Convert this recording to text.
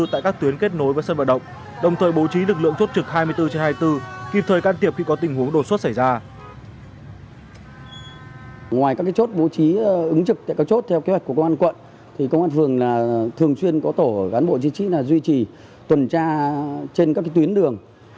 tại các tuyến kết nối với sân vận động đồng thời bố trí lực lượng chốt trực hai mươi bốn trên hai mươi bốn